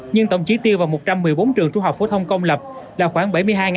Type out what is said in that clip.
nhưng tổng trí tiêu vào một trăm một mươi bốn trường trung học phổ thông công lập là khoảng bảy mươi hai